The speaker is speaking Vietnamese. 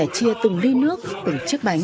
ẩn cần sẽ chia từng ly nước từng chiếc bánh